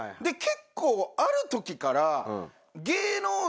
結構ある時から。